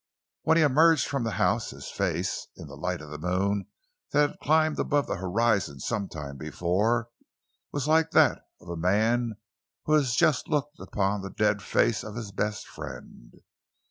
When he emerged from the house his face, in the light of the moon that had climbed above the horizon some time before, was like that of a man who has just looked upon the dead face of his best friend.